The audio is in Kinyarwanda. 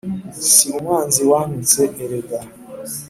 Si umwanzi wantutse erega